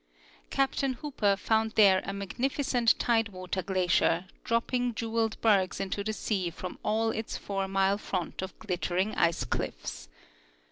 Captain Hooper found there a magnificent tide water glacier, dropping jeweled bergs into the sea from all its four mile front of glittering ice cliffs.